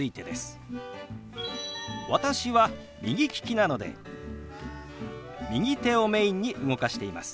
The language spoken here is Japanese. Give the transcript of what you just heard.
私は右利きなので右手をメインに動かしています。